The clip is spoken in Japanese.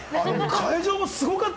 会場もすごかった！